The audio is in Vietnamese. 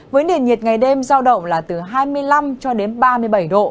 với nền nhiệt ngày đêm giao động là từ hai mươi năm ba mươi bảy độ